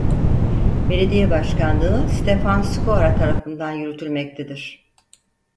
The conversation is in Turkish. Belediye Başkanlığı Stefan Skora tarafından yürütülmektedir.